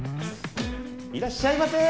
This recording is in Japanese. いらっしゃいませ。